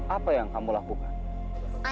apa yang kamu lakukan